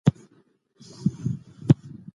موږ باید د نړۍ د بدلون لپاره کار وکړو.